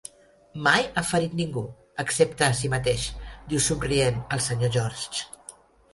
"Mai ha ferit ningú excepte a si mateix" diu somrient el Sr. George.